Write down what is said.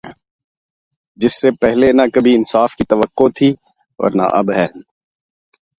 جس سے نا پہلے کبھی انصاف کی توقع تھی اور نا ہی اب ہے